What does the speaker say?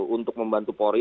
untuk membantu polri